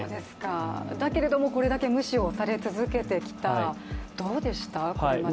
だけれどもこれだけ無視をされ続けてきた、どうですか、これまで。